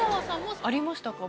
ありましたか？